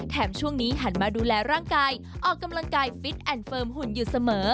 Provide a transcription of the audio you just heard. ช่วงนี้หันมาดูแลร่างกายออกกำลังกายฟิตแอนด์เฟิร์มหุ่นอยู่เสมอ